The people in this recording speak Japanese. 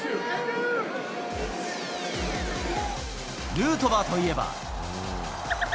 ヌートバーといえば。